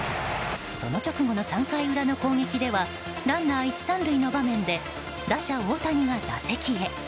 その直後の３回裏の攻撃ではランナー１、３塁の場面で打者・大谷が打席へ。